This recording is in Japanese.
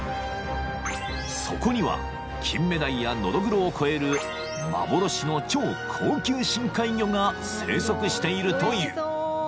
［そこにはキンメダイやノドグロを超える幻の超高級深海魚が生息しているという］